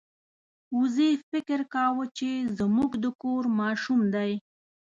وزې فکر کاوه چې زموږ د کور ماشوم دی.